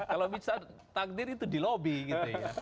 kalau bisa takdir itu dilobi